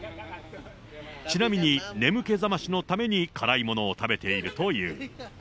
ちなみに、眠気覚ましのために辛いものを食べているという。